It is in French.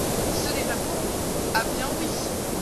Ce n’est pas pour vous, ah bien, oui !